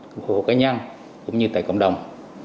của hộp cá nhân cũng như tại cộng đồng